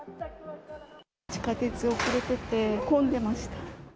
地下鉄遅れてて、混んでました。